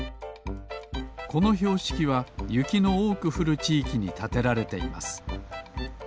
このひょうしきはゆきのおおくふるちいきにたてられています。